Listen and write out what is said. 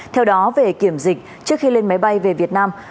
theo đó về kiểm dịch trước khi lên máy bay về việt nam